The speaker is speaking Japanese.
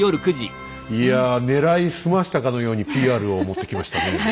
いや狙い澄ましたかのようにＰＲを持ってきましたね。